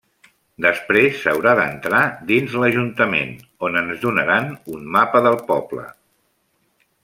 Després s'haurà d'entrar dins l'Ajuntament on ens donaran un mapa del poble.